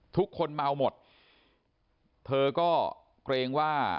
ทุกคนเมาหมดเธอก็เกรงว่า